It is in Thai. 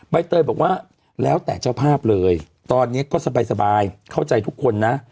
ใบเตยบอกว่าแล้วแต่เจ้าภาพเลยตอนนี้ก็สบายเข้าใจทุกคนนะ